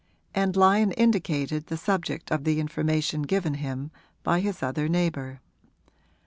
And Lyon indicated the subject of the information given him by his other neighbour.